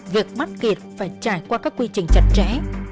việc bắt kịp phải trải qua các quy trình chặt chẽ